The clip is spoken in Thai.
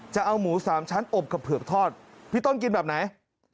จะเอาหมูสามชั้นอบกับเผือกทอดพี่ต้นกินแบบไหน